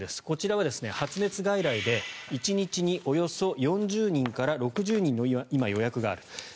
こちらは発熱外来で１日におよそ４０人から６０人の今、予約がある。